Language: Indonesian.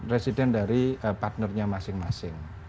resident dari partnernya masing masing